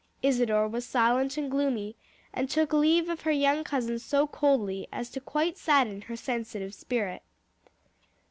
Isadore was silent and gloomy, and took leave of her young cousin so coldly, as to quite sadden her sensitive spirit.